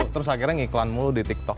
terus akhirnya ngiklan mulu di tiktok